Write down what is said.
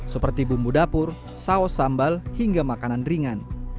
seperti bumbu dapur saus sambal hingga makanan ringan